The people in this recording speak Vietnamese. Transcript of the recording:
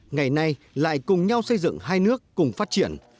ngày nay lại cùng nhau xây dựng hai nước cùng phát triển